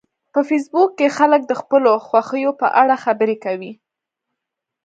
په فېسبوک کې خلک د خپلو خوښیو په اړه خبرې کوي